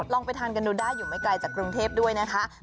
ลองไปทานกันดูได้อยู่ไม่ไกลจากกรุงเทพด้วยนะคะ